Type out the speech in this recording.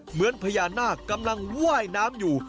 เหมือนพญานาคกำลังว่ายน้ำอยู่